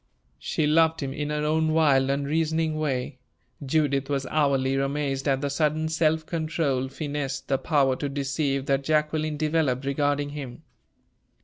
She loved him in her own wild, unreasoning way. Judith was hourly amazed at the sudden self control, finesse, the power to deceive, that Jacqueline developed regarding him.